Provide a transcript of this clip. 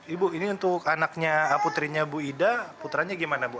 ibu ini untuk anaknya putrinya bu ida putranya gimana bu